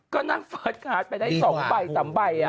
ก็นั่งเฟิร์ดการ์ดไปได้๒ใบ๓ใบ